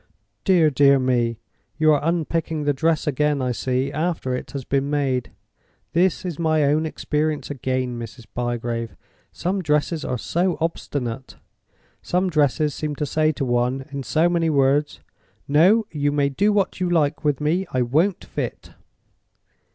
Dear, dear me, you are unpicking the dress again, I see, after it has been made! This is my own experience again, Mrs. Bygrave. Some dresses are so obstinate! Some dresses seem to say to one, in so many words, 'No! you may do what you like with me; I won't fit!